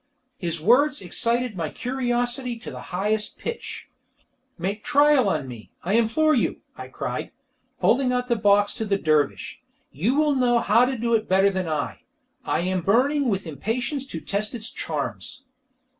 His words excited my curiosity to the highest pitch. "Make trial on me, I implore you," I cried, holding out the box to the dervish. "You will know how to do it better than I! I am burning with impatience to test its charms."